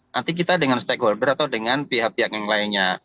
nanti kita dengan stakeholder atau dengan pihak pihak yang lainnya